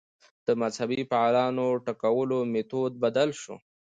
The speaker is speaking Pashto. د مذهبي فعالانو ټکولو میتود بدل شو